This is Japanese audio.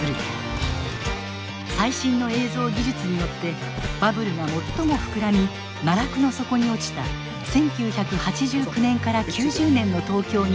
最新の映像技術によってバブルが最も膨らみ奈落の底に落ちた１９８９年から９０年の東京にタイムスリップ